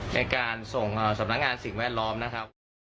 ในการส่งสำนักงานสิ่งแวดล้อมนะครับ